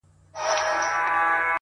بدكارمو كړی چي وركړي مو هغو ته زړونه.